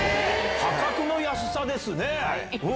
破格の安さですね。